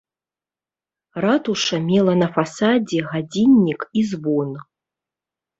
Ратуша мела на фасадзе гадзіннік і звон.